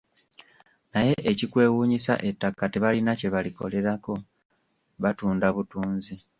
Naye ekikwewuunyisa ettaka tebalina kyebalikolerako, batunda butunzi.